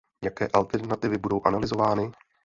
Jaké alternativy budou analyzovány?